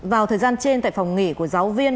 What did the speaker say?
vào thời gian trên tại phòng nghỉ của giáo viên